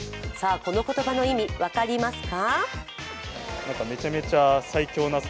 この言葉の意味、分かりますか？